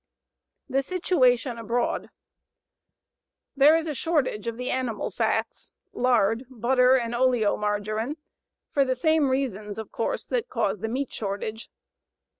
THE SITUATION ABROAD There is a shortage of the animal fats, lard, butter, and oleomargarine for the same reasons, of course, that cause the meat shortage.